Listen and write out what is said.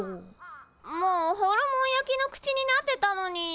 もうホルモン焼きの口になってたのに。